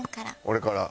俺から。